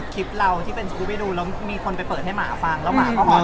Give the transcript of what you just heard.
คลิปเราที่เป็นสกูปให้ดูแล้วมีคนไปเปิดให้หมาฟังแล้วหมาก็ออน